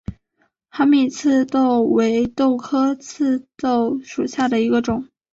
哈密棘豆为豆科棘豆属下的一个种。